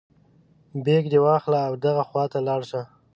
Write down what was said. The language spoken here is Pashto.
بیک دې واخله او دغه خواته لاړ شه.